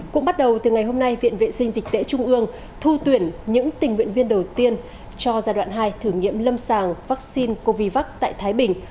cũng bắt đầu từ ngày hôm nay viện vệ sinh dịch tễ trung ương thu tuyển những tình nguyện viên đầu tiên cho giai đoạn hai thử nghiệm lâm sàng vaccine covid tại thái bình